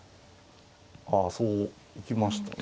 あそう行きましたね。